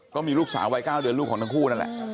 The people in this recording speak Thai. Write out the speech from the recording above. ก็มีลูกสาววัย๙เดือนลูกของทั้งคู่นั่นแหละ